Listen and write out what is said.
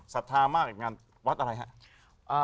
สัพธามากอีกงานวัดอะไรฮะ